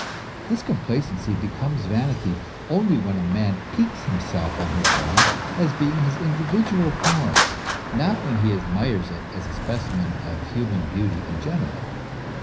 This complacency becomes vanity only when a man piques himself on his form as being his individual form, not when he admires it as a specimen of human beauty in general.